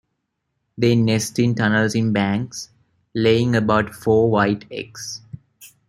They nest in tunnels in banks, laying about four white eggs.